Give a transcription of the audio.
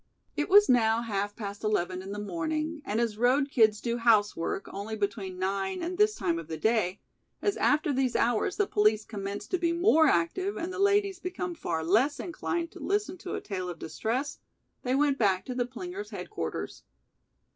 It was now half past eleven in the morning, and as road kids do "housework" only between nine and this time of the day, as after these hours the police commence to be more active and the ladies become far less inclined to listen to a tale of distress, they went back to the plinger's headquarters.